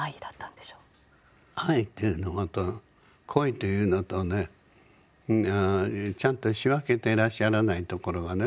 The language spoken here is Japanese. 愛っていうのと恋というのとねちゃんと仕分けてらっしゃらないところがね